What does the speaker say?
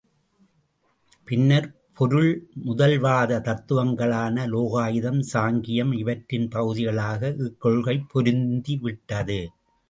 பின்னர் பொருள்முதல்வாத தத்துவங்களான லோகாயதம், சாங்கியம் இவற்றின் பகுதிகளாக இக்கொள்கை பொருந்திவிட்டது.